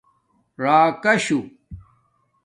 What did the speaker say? راکشݸ